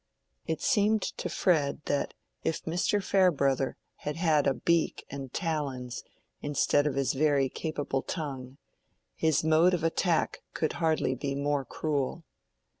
It seemed to Fred that if Mr. Farebrother had had a beak and talons instead of his very capable tongue, his mode of attack could hardly be more cruel.